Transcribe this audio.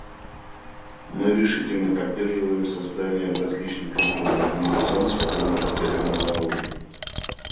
Мы решительно поддерживаем создание в различных регионах мира зон, свободных от ядерного оружия.